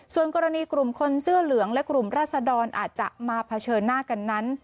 ส่วนกรณีกลุ่มคนเสื้อเหลืองและกลุ่มราศดรอาจจะมาเผชิญหน้ากันนั้น